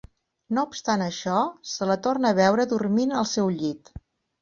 No obstant això, se la torna a veure dormint al seu llit.